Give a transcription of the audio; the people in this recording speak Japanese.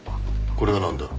これがなんだ？